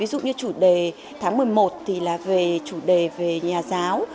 ví dụ như chủ đề tháng một mươi một thì là về chủ đề về nhà giáo